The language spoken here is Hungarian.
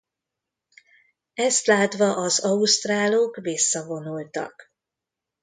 Ezt látva az ausztrálok visszavonultak.